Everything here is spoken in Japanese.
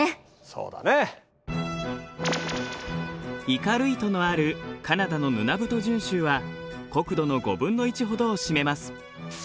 イカルイトのあるカナダのヌナブト準州は国土の５分の１ほどを占めます。